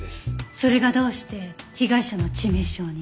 それがどうして被害者の致命傷に。